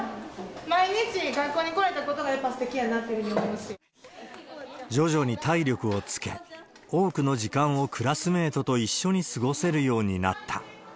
毎日学校に来られたことがやっぱすてきやんなっていうふうに思う徐々に体力をつけ、多くの時間をクラスメートと一緒に過ごせるようになった。